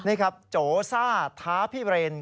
นี่ครับโจซ่าท้าพี่เรน